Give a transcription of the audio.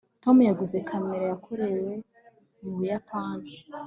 tom yaguze kamera yakorewe mu buyapani